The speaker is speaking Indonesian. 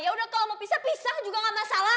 yaudah kalo mau pisah pisah juga gak masalah